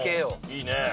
いいね。